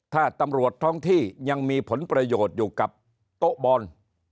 ถ้าตำรวจท้องที่ยังมีผลประโยชน์อยู่กับโต๊ะบอล